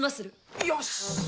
よし！